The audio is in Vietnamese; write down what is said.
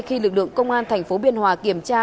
khi lực lượng công an tp biên hòa kiểm tra